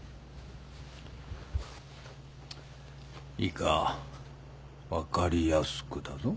いいか分かりやすくだぞ。